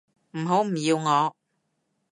唔好唔要我